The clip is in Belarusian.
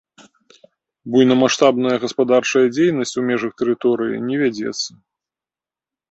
Буйнамаштабная гаспадарчая дзейнасць у межах тэрыторыі не вядзецца.